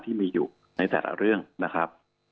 ที่มีอยู่ในแต่ละเรื่องนะครับ